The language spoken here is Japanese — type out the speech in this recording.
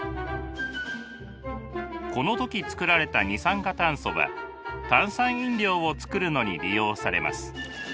この時作られた二酸化炭素は炭酸飲料を作るのに利用されます。